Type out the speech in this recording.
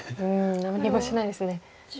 何にもしないですね。